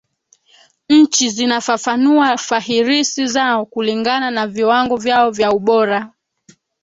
Nchi zinafafanua fahirisi zao kulingana na viwango vyao vya ubora